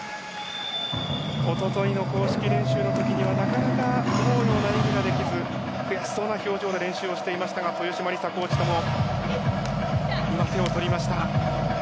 一昨日の公式練習の時にはなかなか思うような演技ができず悔しそうな表情で練習していましたが豊島コーチとも今、手を取りました。